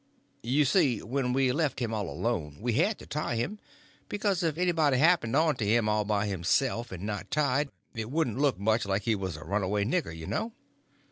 You see, when we left him all alone we had to tie him, because if anybody happened on to him all by himself and not tied it wouldn't look much like he was a runaway nigger, you know.